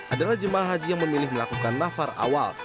adalah jemaah haji yang memilih melakukan nafar awal